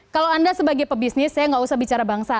kalau anda sebagai pebisnis saya nggak usah bicara bangsa